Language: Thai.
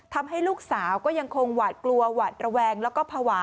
ทำให้ลูกสาวก็ยังคงหวาดกลัวหวาดระแวงแล้วก็ภาวะ